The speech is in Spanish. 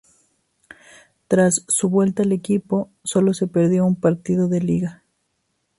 Tras su vuelta al equipo sólo se perdió un partido de liga.